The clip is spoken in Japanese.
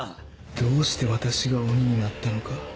どうして私が鬼になったのか。